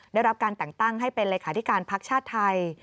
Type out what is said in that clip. ได้รับการแต่งตั้งให้เป็นเลขาธิการพักชาติไทย